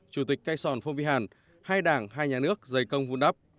chủ tịch cây sòn phong vi hẳn hai đảng hai nhà nước giày công vun đắp